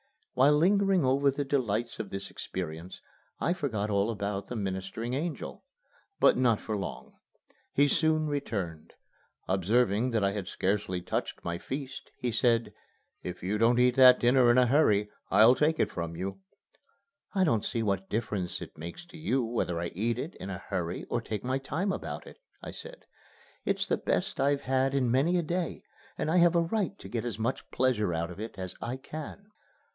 While lingering over the delights of this experience I forgot all about the ministering angel. But not for long. He soon returned. Observing that I had scarcely touched my feast, he said, "If you don't eat that dinner in a hurry, I'll take it from you." "I don't see what difference it makes to you whether I eat it in a hurry or take my time about it," I said. "It's the best I've had in many a day, and I have a right to get as much pleasure out of it as I can."